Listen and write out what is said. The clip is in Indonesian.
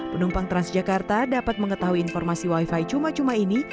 penumpang transjakarta dapat mengetahui informasi wifi cuma cuma ini